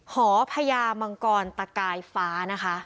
หอพญามังกรตะกายฟ้านะคะ